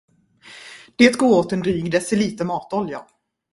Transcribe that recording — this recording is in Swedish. Det går åt en dryg deciliter matolja.